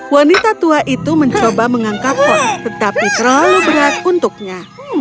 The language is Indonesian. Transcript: wanita tua itu mencoba mengangkat pohon tetapi terlalu berat untuknya